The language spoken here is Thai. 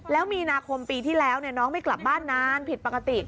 แล้วมีนาคมปีที่แล้วน้องไม่กลับบ้านนานผิดปกติ